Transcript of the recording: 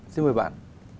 xin mời bạn